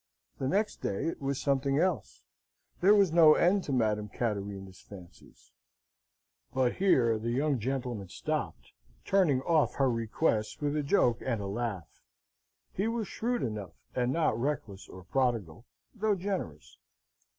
The next day it was something else: there was no end to Madame Cattarina's fancies: but here the young gentleman stopped, turning off her request with a joke and a laugh. He was shrewd enough, and not reckless or prodigal, though generous.